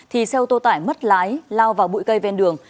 thì xe ô tô tải mất lái lao vào bụi cây ven đường